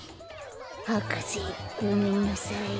博士ごめんなさい。